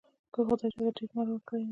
که خدای چاته ډېر مال ورکړی وي.